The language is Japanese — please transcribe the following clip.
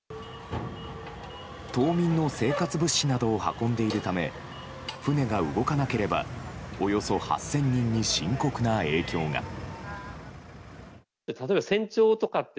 島民の生活物資などを運んでいるため船が動かなければおよそ８０００人に深刻な影響が。